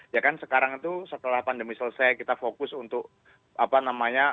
ya kan sekarang itu setelah pandemi selesai kita fokus untuk apa namanya